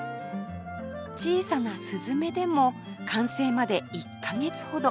小さなスズメでも完成まで１カ月ほど